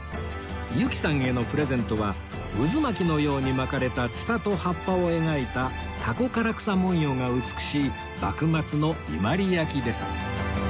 由紀さんへのプレゼントは渦巻きのように巻かれたツタと葉っぱを描いた蛸唐草文様が美しい幕末の伊万里焼です